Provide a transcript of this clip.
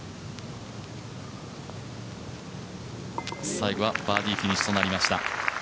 最後はバーディーフィニッシュとなりました。